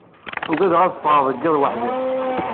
Ugadeɣ ad fɣeɣ deg iḍ weḥdi.